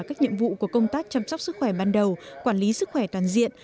các nhiệm vụ của công tác chăm sóc sức khỏe ban đầu quản lý sức khỏe toàn diện